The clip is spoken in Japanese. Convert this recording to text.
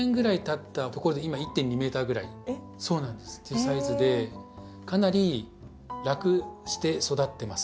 っていうサイズでかなり楽して育ってます。